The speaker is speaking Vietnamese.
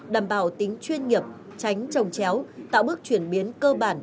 đảm bảo tính chuyên nghiệp tránh trồng chéo tạo bước chuyển biến cơ bản